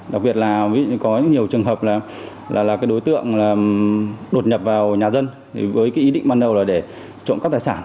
đặc biệt là có nhiều trường hợp là đối tượng đột nhập vào nhà dân với ý định ban đầu là để trộm các tài sản